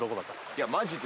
いやマジで。